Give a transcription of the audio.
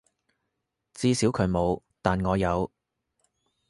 至少佢冇，但我有